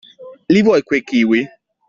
Li vuoi quei kiwi?